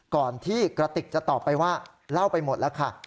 ก่อนที่กระติกจะตอบไปว่าเล่าไปหมดแล้วค่ะ